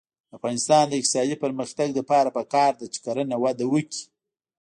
د افغانستان د اقتصادي پرمختګ لپاره پکار ده چې کرنه وده وکړي.